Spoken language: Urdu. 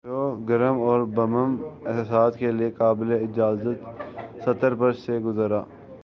جو گرم اور مبہم احساسات کے لیے قابلِاجازت سطر پر سے گزرا